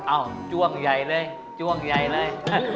จ้วงใหญ่เลยจ้วงใหญ่เลย